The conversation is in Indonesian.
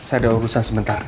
saya ada urusan sebentar